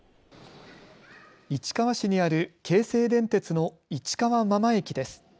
市川市にある京成電鉄の市川真間駅です。